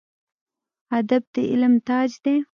ادب د علم تاج دی